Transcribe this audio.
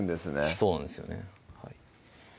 そうなんですよね